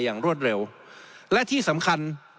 อย่างรวดเร็วและที่สำคัญ